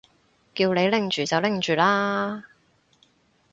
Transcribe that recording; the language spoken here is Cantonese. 叫你拎住就拎住啦